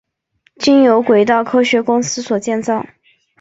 经由轨道科学公司所建造。